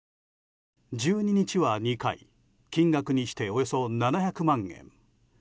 １２日は２回金額にしておよそ７００万円。